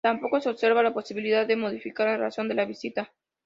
Tampoco se observa la posibilidad de modificar la razón de la visita.